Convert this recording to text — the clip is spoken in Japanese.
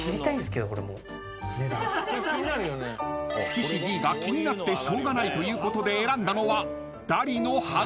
［岸Ｄが気になってしょうがないということで選んだのは］